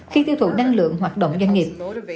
khi tiêu thụ năng lượng hoạt động doanh nghiệp